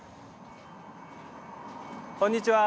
こんにちは。